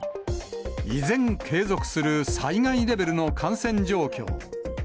依然、継続する災害レベルの感染状況。